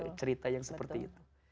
dari cerita yang seperti itu